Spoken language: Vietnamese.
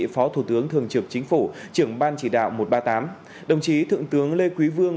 phó thủ tướng thường trực chính phủ trưởng ban chỉ đạo một trăm ba mươi tám đồng chí thượng tướng lê quý vương